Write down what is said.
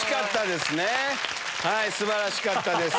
素晴らしかったです。